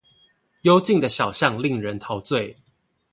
幽靜的小巷令人陶醉